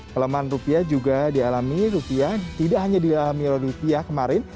pelemahan rupiah juga dialami rupiah tidak hanya di dalam nilai rupiah kemarin